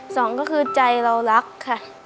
สองก็คือใจเรารักค่ะ